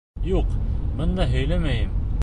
— Юҡ, бында һөйләмәйем.